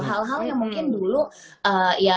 hal hal yang mungkin dulu ya